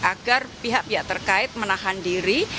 agar pihak pihak terkait menahan diri